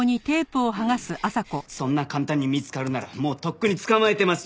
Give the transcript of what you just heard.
そんな簡単に見つかるならもうとっくに捕まえてますよ。